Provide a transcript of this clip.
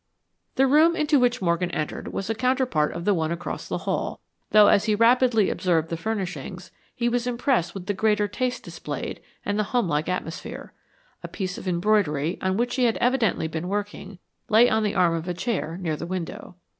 The room into which Morgan entered was a counterpart of the one across the hall, though as he rapidly observed the furnishings, he was impressed with the greater taste displayed and the homelike atmosphere. A piece of embroidery, on which she had evidently been working, lay on the arm of a chair near the window.